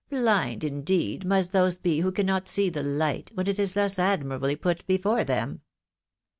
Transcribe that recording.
" Blind, indeed, must those be who cannot see the light, when it is thus admirably put before them